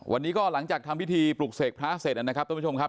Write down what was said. วันนี้ก็หลังจากทำพิธีปลูกเสกพระเศรษฐ์เราทุกคุณผู้ชมครับ